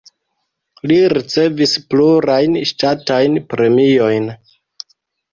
Li ricevis plurajn ŝtatajn premiojn.